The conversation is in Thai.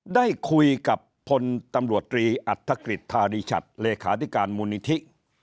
ได้คุยกับคนตำรวจตรีอัตฑกิจทาริชัตร์เลขาธิการมุณิธิ